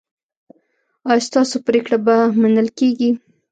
ایا ستاسو پریکړې به منل کیږي؟